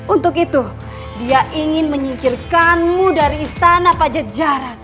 untuk itu dia ingin menyingkirkanmu dari istana pajajaran